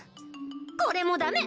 これもダメ！